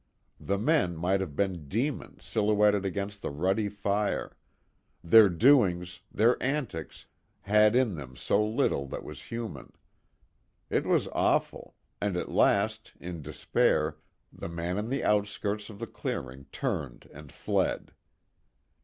The men might have been demons silhouetted against the ruddy fire; their doings, their antics, had in them so little that was human. It was awful, and at last, in despair, the man on the outskirts of the clearing turned and fled.